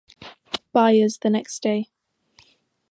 Byers the next day.